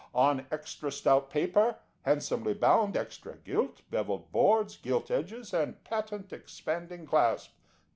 On extra stout paper, handsomely bound, extra gilt, bevelled boards, gilt edges, and patent expanding clasp.